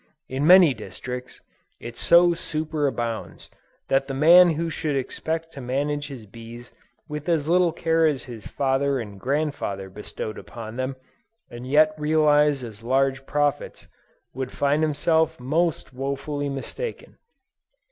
In many districts, it so superabounds, that the man who should expect to manage his bees with as little care as his father and grandfather bestowed upon them, and yet realize as large profits, would find himself most wofully mistaken.